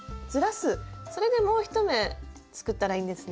それでもう一目すくったらいいんですね。